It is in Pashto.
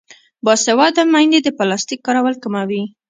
باسواده میندې د پلاستیک کارول کموي.